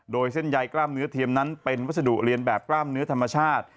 โดยเส้นใยกล้ามเนื้อเทียมนั้นเป็นวัสดุเรียนแบบกล้ามเนื้อธรรมชาติ